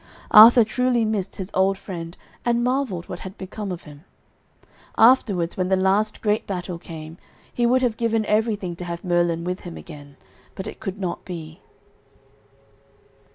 Arthur truly missed his old friend and marvelled what had become of him. Afterwards, when the last great battle came, he would have given everything to have Merlin with him again, but it could not be.